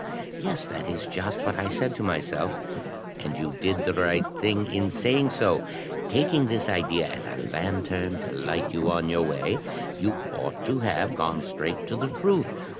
"Yes, that is just what I said to myself." "And you did right in saying so. Taking this idea as a lantern to light you on your way, you ought to have gone straight to the truth.